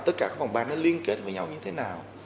tất cả các phòng ban nó liên kết với nhau như thế nào